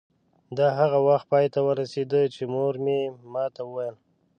دا هغه وخت پای ته ورسېده چې مور مې ما ته وویل.